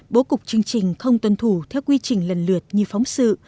bố cục chương trình không tuân thủ theo quy trình lần lượt như phóng sự